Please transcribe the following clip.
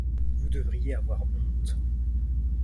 Vous devriez avoir honte.